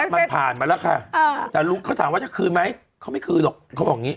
มันผ่านมาแล้วค่ะแต่เขาถามว่าจะคืนไหมเขาไม่คืนหรอกเขาบอกอย่างนี้